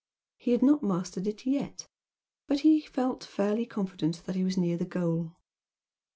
He had not mastered it yet but felt fairly confident that he was near the goal.